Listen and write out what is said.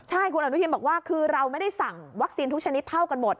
ใช่คุณอนุทินบอกว่าคือเราไม่ได้สั่งวัคซีนทุกชนิดเท่ากันหมด